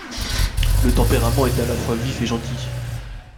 Le tempérament est à la fois vif et gentil.